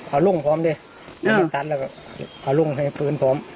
เอาร่มพร้อมได้เออแล้วก็เอาร่มเห็นฟื้นพร้อม